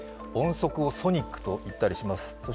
音速をソニックといったりします。